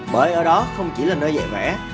bởi ở đó không chỉ là nơi dạy vẽ